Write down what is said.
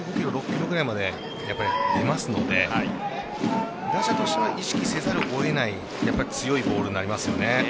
１５５キロぐらいまで出ますので打者としては意識せざるを得ない強いボールになりますよね。